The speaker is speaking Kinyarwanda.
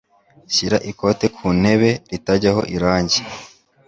shyira ikote ku ntebe ritajyaho irangi.